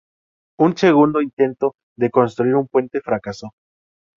Un segundo intento de construir un puente fracasó.